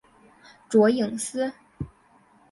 卓颖思。